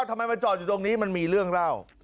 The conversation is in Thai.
ทำไมมาจอดอยู่ตรงนี้มันมีเรื่องเล่า